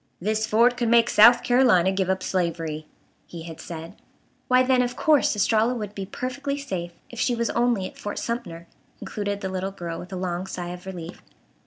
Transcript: "This fort could make South Carolina give up slavery," he had said. Why, then, of course Estralla would be perfectly safe if she was only at Fort Sumter, concluded the little girl, with a long sigh of relief.